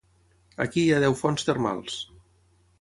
Aquí hi ha deu fonts termals.